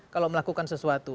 kalau melakukan sesuatu